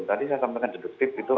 tadi saya sampaikan deduktif gitu